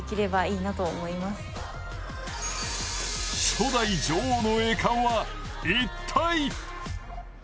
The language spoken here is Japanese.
初代女王の栄冠は一体！？